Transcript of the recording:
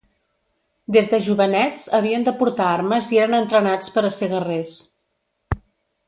Des de jovenets, havien de portar armes i eren entrenats per a ser guerrers.